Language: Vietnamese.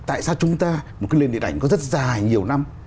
tại sao chúng ta một cái liên lạc ảnh có rất dài nhiều năm